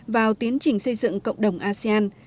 vào tiến trình xây dựng cộng đồng asean